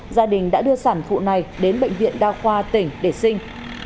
gia đình đã đưa sản phụ này đến bệnh viện đa khoa tỉnh để sinh